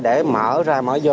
để mở ra mở vô